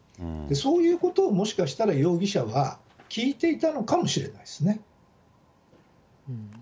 そういうことをもしかしたら容疑者は聞いていたのかもしれないですね。